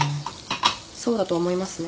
そうだと思いますね。